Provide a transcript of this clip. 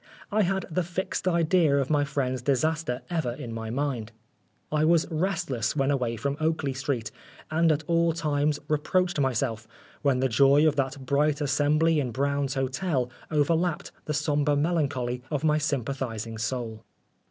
I had the fixed idea of my friend's disaster ever in my mind. I was restless when away from Oakley Street, and at all times re proached myself when the joy of that bright assembly in Brown's Hotel overlapped the sombre melancholy of my sympathising soul.